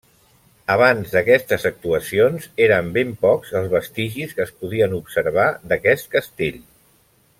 Abans d'aquestes actuacions eren ben pocs els vestigis que es podien observar d'aquest castell.